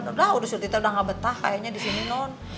udah udah surti udah gak betah kayaknya disini non